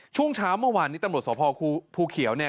ช่วงเช้าเมื่อวานนี้ตำรวจสภภูเขียวเนี่ย